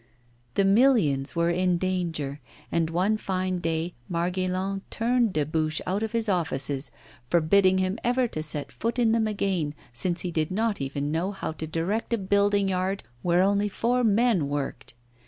The millions were in danger, and one fine day Margaillan turned Dubuche out of his offices, forbidding him ever to set foot in them again, since he did not even know how to direct a building yard where only four men worked.